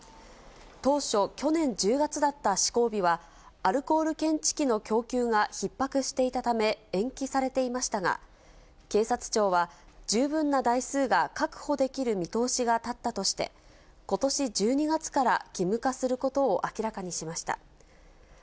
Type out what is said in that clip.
当初、去年１０月だった施行日は、アルコール検知器の供給がひっ迫していたため、延期されていましたが、警察庁は十分な台数が確保できる見通しが立ったとして、ことし全国の皆さん、こんにちは。